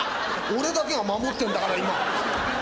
俺だけが守ってるんだから、今。